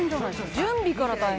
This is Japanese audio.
準備から大変」